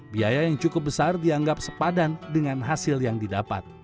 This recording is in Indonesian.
biaya yang cukup besar dianggap sepadan dengan hasil yang didapat